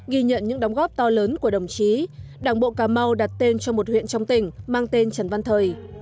ghi nhận những đóng góp to lớn của đồng chí đảng bộ cà mau đặt tên cho một huyện trong tỉnh mang tên trần văn thời